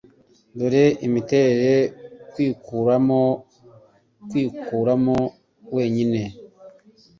Dore Imiterere kwikuramo kwikuramo wenyine